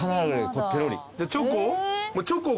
じゃあチョコ？